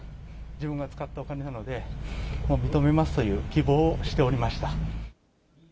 自分が使ったお金なので、認めますというきぼうをしておりました。